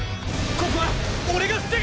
ここは俺が防ぐ！